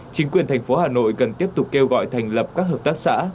chính quyền thành phố hà nội cần tiếp tục kêu gọi thành lập các hợp tác xã